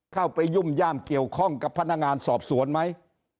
เข้าไปยุ่มย่ามเกี่ยวข้องกับพนักงานสอบสวนไหม